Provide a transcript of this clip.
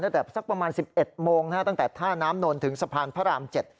สักประมาณ๑๑โมงตั้งแต่ท่าน้ำนนถึงสะพานพระราม๗